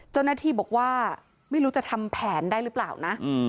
เจ้าหน้าที่บอกว่าไม่รู้จะทำแผนได้หรือเปล่านะ